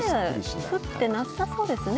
雨、降ってなさそうですね